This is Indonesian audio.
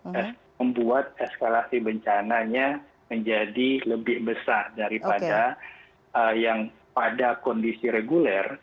dan membuat eskalasi bencananya menjadi lebih besar daripada yang pada kondisi reguler